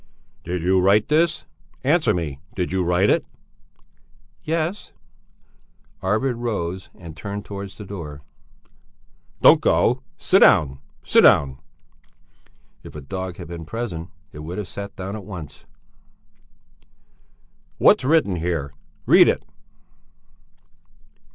"Did you write this? Answer me! Did you write it?" "Yes!" Arvid rose and turned towards the door. "Don't go! Sit down! Sit down!" If a dog had been present it would have sat down at once. "What's written here? Read it!